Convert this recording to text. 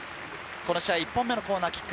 この試合１本目のコーナーキック。